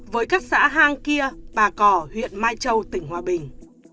với các xã hang kia bà cỏ huyện mai châu tỉnh hòa bình